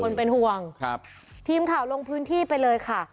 เป็นห่วงครับทีมข่าวลงพื้นที่ไปเลยค่ะ